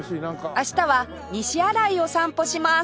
明日は西新井を散歩します